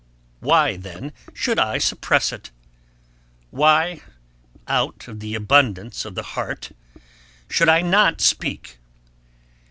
Why then should I suppress it? Why 'out of the abundance of the heart' should I not speak?